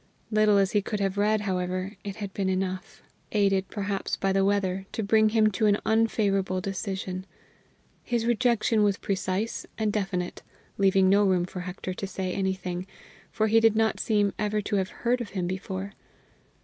Little as he could have read, however, it had been enough, aided perhaps by the weather, to bring him to an unfavorable decision; his rejection was precise and definite, leaving no room for Hector to say anything, for he did not seem ever to have heard of him before.